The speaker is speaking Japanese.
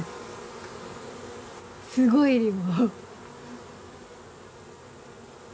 すごい量。